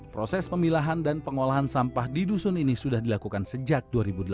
proses pemilahan dan pengolahan sampah di dusun ini sudah dilakukan sejak dua ribu delapan belas